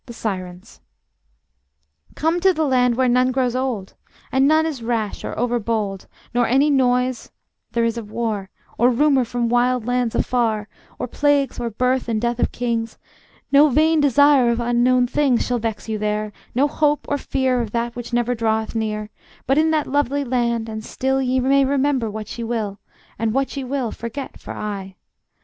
The Sirens: Come to the land where none grows old, And none is rash or over bold Nor any noise there is or war, Or rumor from wild lands afar, Or plagues, or birth and death of kings; No vain desire of unknown things Shall vex you there, no hope or fear Of that which never draweth near; But in that lovely land and still Ye may remember what ye will, And what ye will, forget for aye.